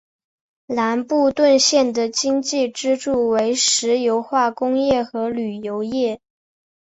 兰布顿县的经济支柱为石油化工业和旅游业。